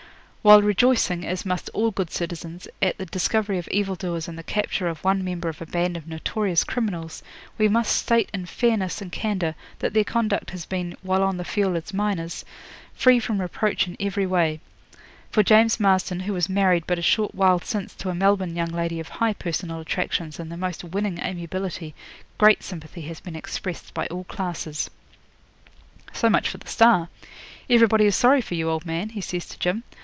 'While rejoicing, as must all good citizens, at the discovery of evil doers and the capture of one member of a band of notorious criminals, we must state in fairness and candour that their conduct has been, while on the field as miners, free from reproach in every way. For James Marston, who was married but a short while since to a Melbourne young lady of high personal attractions and the most winning amiability, great sympathy has been expressed by all classes. So much for the "Star". Everybody is sorry for you, old man,' he says to Jim.